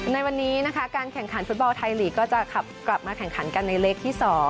ในวันนี้นะคะการแข่งขันฟุตบอลไทยลีกก็จะขับกลับมาแข่งขันกันในเล็กที่๒